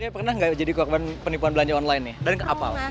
pernah nggak jadi penipuan belanja online ya